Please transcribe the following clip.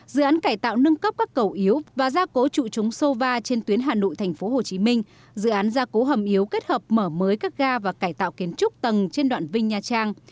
dự án cải tạo nâng cấp các cầu yếu và gia cố trụ trúng sô va trên tuyến hà nội thành phố hồ chí minh dự án gia cố hầm yếu kết hợp mở mới các ga và cải tạo kiến trúc tầng trên đoạn vinh nha trang